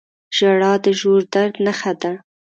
• ژړا د ژور درد نښه ده.